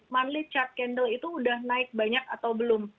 monthly chart candle itu sudah naik banyak atau belum